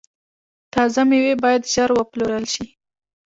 تازه میوې باید ژر وپلورل شي.